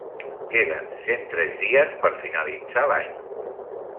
Queden cent tres dies per finalitzar l'any.